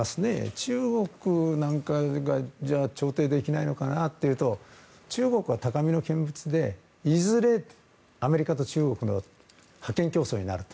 中国なんかが調停できないのかなというと中国は高みの見物でいずれ、アメリカと中国の覇権競争になると。